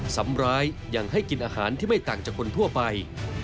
ซ้ำร้ายยังให้กินอาหารที่ไม่ต่างจากคนทั่วไป